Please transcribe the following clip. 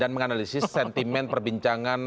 dan menganalisis sentimen perbincangan